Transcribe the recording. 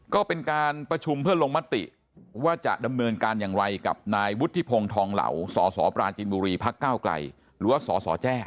ก็เป็นการประชุมเพื่อลงมติว่าจะดำเนินการอย่างไรกับนายวุฒิพงศ์ทองเหล่าสสปราจินบุรีพักก้าวไกลหรือว่าสสแจ้